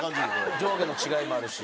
上下の違いもあるし。